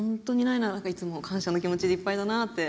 なんかいつも感謝の気持ちでいっぱいだなって。